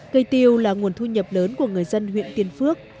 cây tiêu là nguồn thu nhập lớn của người dân huyện tiên phước